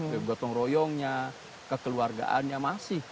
ya gotong royongnya kekeluargaannya masih